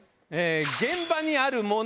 現場にあるもの？